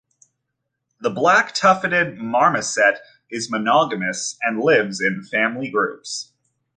The black-tufted marmoset is monogamous and lives in family groups.